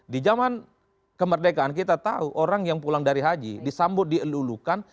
di zaman kemerdekaan kita tahu orang yang pulang dari haji disambut dielulukan